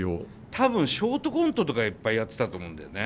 多分ショートコントとかいっぱいやってたと思うんだよね。